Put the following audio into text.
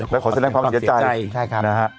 และขอแสดงความเสียใจ